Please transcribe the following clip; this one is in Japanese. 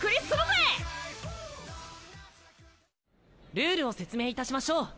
ルールを説明いたしましょう！